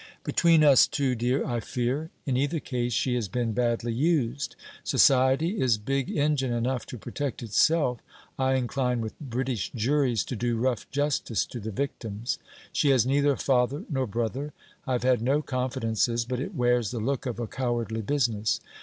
'Between us two, dear, I fear!... In either case, she has been badly used. Society is big engine enough to protect itself. I incline with British juries to do rough justice to the victims. She has neither father nor brother. I have had no confidences: but it wears the look of a cowardly business.